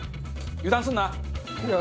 油断すんな！